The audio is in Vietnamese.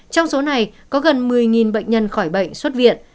trong số này có gần một mươi bệnh nhân khỏi bệnh xuất viện